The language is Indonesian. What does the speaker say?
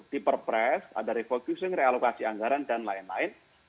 diperpres ada refocusing realokasi anggaran dan lain lain